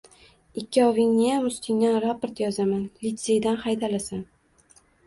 Ikkovingniyam ustingdan raport yozaman. Litseydan haydalasan!